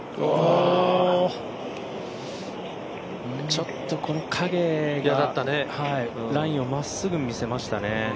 ちょっとこの影がラインをまっすぐ見せましたね。